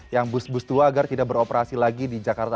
yang bus bus tua agar tidak beroperasi lagi di jakarta